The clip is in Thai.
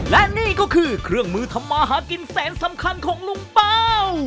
และนี่ก็คือเครื่องมือทำมาหากินแสนสำคัญของลุงเป้า